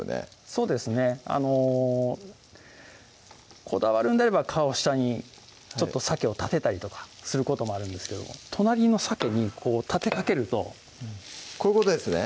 そうですねあのこだわるんであれば皮を下にちょっとさけを立てたりとかすることもあるんですけども隣のさけに立てかけるとこういうことですね